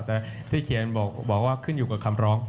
แต่ที่เขียนบอกว่าขึ้นอยู่กับคำร้อง